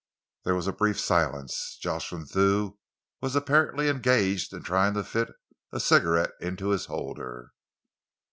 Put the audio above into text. There was a brief silence. Jocelyn Thew was apparently engaged in trying to fit a cigarette into his holder.